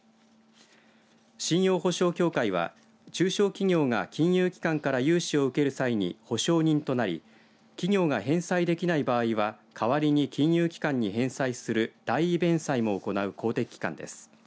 信用保証協会は中小企業が金融機関から融資を受ける際に保証人となり企業が返済できない場合は代わりに金融機関に返済する代位弁済も行う公的機関です。